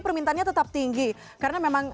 permintaannya tetap tinggi karena memang